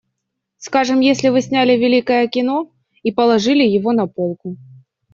Скажем, если вы сняли великое кино и положили его на полку.